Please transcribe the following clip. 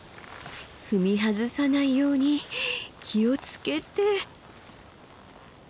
踏み外さないように気を付けて。